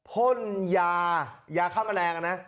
พ่นยายาฆ่าแมลงนะ